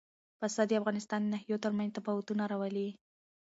پسه د افغانستان د ناحیو ترمنځ تفاوتونه راولي.